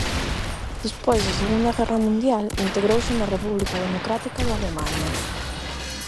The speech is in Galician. Despois da Segunda Guerra Mundial integrouse na República Democrática de Alemaña.